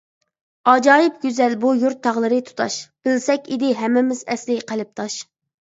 ئاجايىپ گۈزەل بۇ يۇرت تاغلىرى تۇتاش، بىلسەك ئىدى ھەممىمىز ئەسلى قەلبداش.